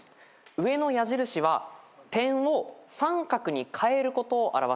上の矢印は点を三角に変えることを表しています。